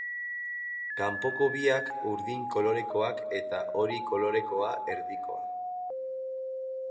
Kanpoko biak urdin kolorekoak eta hori kolorekoa erdikoa.